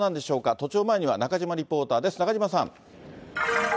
都庁前には中島リポーターです、中島さん。